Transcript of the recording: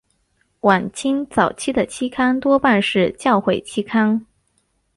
晚清早期的期刊多半是教会期刊。